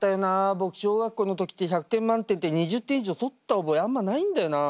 僕小学校の時って１００点満点で２０点以上取った覚えあんまないんだよな。